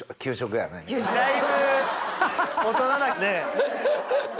だいぶ大人なね。